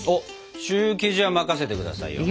シュー生地は任せて下さいよ。